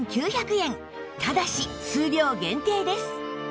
ただし数量限定です